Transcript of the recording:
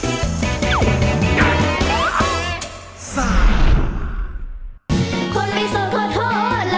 ขอเตรียมเลย